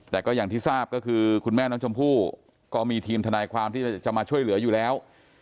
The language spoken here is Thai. แต่ก็อย่างที่ทราบก็คือคุณแม่น้องชมพู่ก็มีทีมทนายความที่จะมาช่วยเหลืออยู่แล้ว